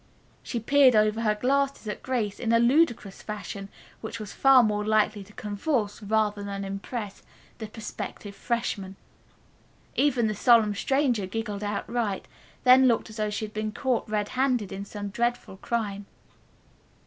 She peered over her glasses at Grace in a ludicrous fashion which was far more likely to convulse, rather than impress, the prospective freshmen. Even the solemn stranger giggled outright, then looked as though she had been caught red handed in some dreadful crime.